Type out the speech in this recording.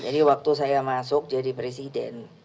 jadi waktu saya masuk jadi presiden